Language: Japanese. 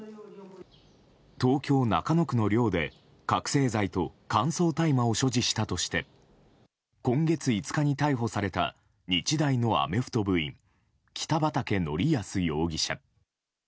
東京・中野区の寮で覚醒剤と乾燥大麻を所持したとして今月５日に逮捕された日大のアメフト部員北畠成文容疑者。